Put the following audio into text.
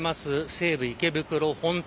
西武池袋本店。